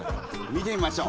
見てみましょう！